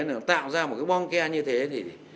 là tạo ra một cái bong ke như thế thì